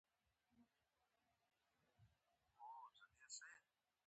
پاکه هوا د انسان روغتيا ته ډېره مهمه ده.